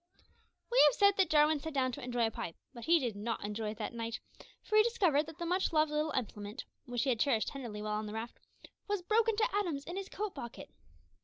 We have said that Jarwin sat down to enjoy a pipe, but he did not enjoy it that night, for he discovered that the much loved little implement, which he had cherished tenderly while on the raft, was broken to atoms in his coat pocket!